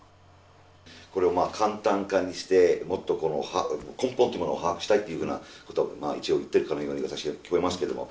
これを簡単化にしてもっと根本というものを把握したいっていうふうなことを一応言ってるかのように私は聞こえますけども。